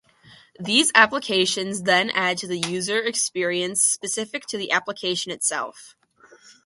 These applications then add to the user experience specific to the application itself.